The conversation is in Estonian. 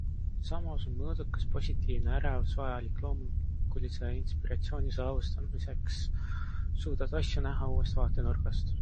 Samas on mõõdukas positiivne ärevus vajalik loomingulise inspiratsiooni saavutamiseks - suudad asju näha uuest vaatenurgast.